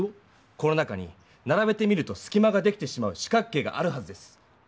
この中にならべてみるとすきまができてしまう四角形があるはずです。